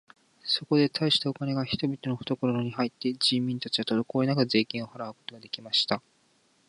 そこで大したお金が人々のふところに入って、人民たちはとどこおりなく税金を払うことが出来ました。